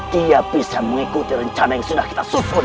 dia bisa mengikuti rencana yang sudah kita susun